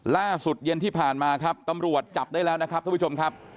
เย็นที่ผ่านมาครับตำรวจจับได้แล้วนะครับท่านผู้ชมครับ